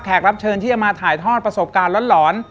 รับเชิญที่จะมาถ่ายทอดประสบการณ์หลอน